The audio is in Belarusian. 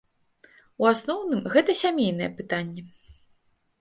У асноўным гэта сямейныя пытанні.